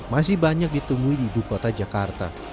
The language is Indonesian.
masih banyak ditemui di ibu kota jakarta